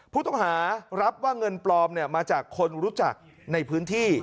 ผู้ต้องหารับว่าเงินปลอมมาจากคนรู้จักในพื้นที่